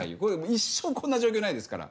一生こんな状況ないですから。